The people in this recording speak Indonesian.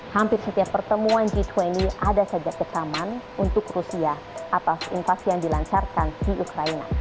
hampir setiap pertemuan g dua puluh ada saja kecaman untuk rusia atas invasi yang dilancarkan di ukraina